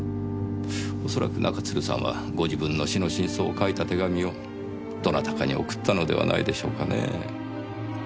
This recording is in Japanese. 恐らく中津留さんはご自分の死の真相を書いた手紙をどなたかに送ったのではないでしょうかねぇ。